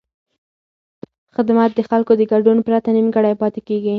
خدمت د خلکو د ګډون پرته نیمګړی پاتې کېږي.